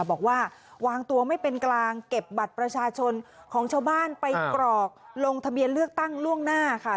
บอกว่าวางตัวไม่เป็นกลางเก็บบัตรประชาชนของชาวบ้านไปกรอกลงทะเบียนเลือกตั้งล่วงหน้าค่ะ